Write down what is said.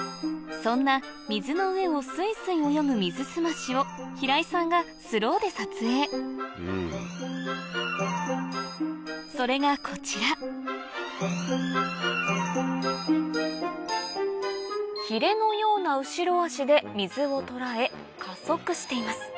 そんな水の上をスイスイ泳ぐミズスマシを平井さんがそれがこちらひれのような後ろ足で水を捉え加速しています